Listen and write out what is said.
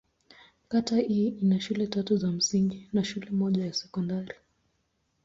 Kata hii ina shule tatu za msingi na shule moja ya sekondari.